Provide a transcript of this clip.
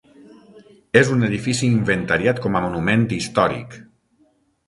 És un edifici inventariat com a monument històric.